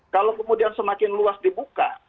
kalau kemudian semakin luas dibuka